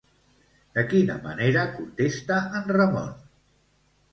De quina manera contesta en Ramon?